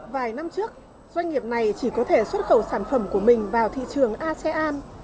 vài năm trước doanh nghiệp này chỉ có thể xuất khẩu sản phẩm của mình vào thị trường asean